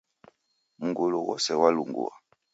Mngulu ghose ghwalungua.